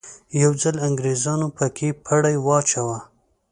یو ځل انګریزانو په کې پړی واچاوه.